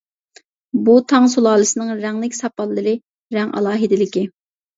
بۇ تاڭ سۇلالىسىنىڭ رەڭلىك ساپاللىرى رەڭ ئالاھىدىلىكى.